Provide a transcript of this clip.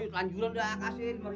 lanjuran dah kasihin